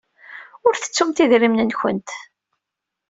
Ur tettumt idrimen-nwent.